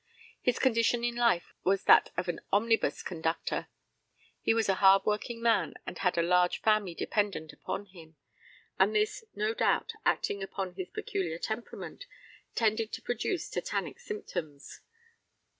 His condition in life was that of an omnibus conductor. He was a hardworking man, and had a large family dependent upon him, and this, no doubt, acting upon his peculiar temperament, tended to produce tetanic symptoms.